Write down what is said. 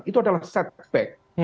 itu adalah setback